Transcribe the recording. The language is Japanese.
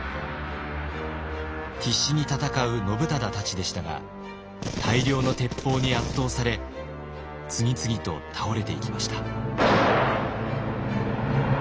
必死に戦う信忠たちでしたが大量の鉄砲に圧倒され次々と倒れていきました。